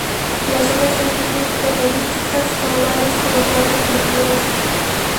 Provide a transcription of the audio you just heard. Las hojas son simples de elípticas a ovales con los bordes enteros.